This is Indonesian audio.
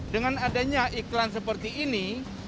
dengan adanya iklan seperti ini